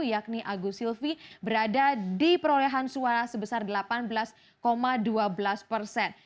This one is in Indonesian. yakni agus silvi berada di perolehan suara sebesar delapan belas dua belas persen